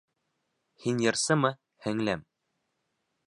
Һин йырсымы, һеңлем?